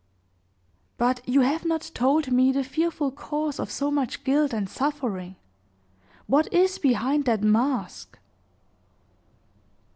"But you have not told me the fearful cause of so much guilt and suffering. What is behind that mask?"